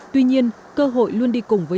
tuy nhiên cơ hội luôn đi cùng với